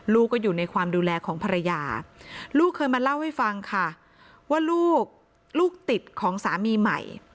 ลูกก็อยู่ในความดูแลของภรรยาลูกเคยมาเล่าให้ฟังค่ะว่าลูกลูกติดของสามีใหม่